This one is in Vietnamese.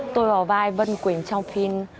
tôi có vai vân quỳnh trong phim